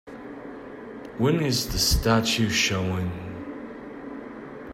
when is The Statue showing